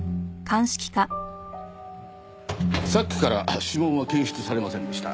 サックから指紋は検出されませんでした。